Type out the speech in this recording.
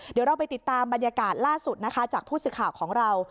เดี๋ยวเราไปติดตามบรรยากาศล่าสุดจากพูดสิทธิ์ข่าวของเรา